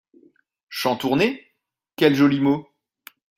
Chantournées, quel joli mot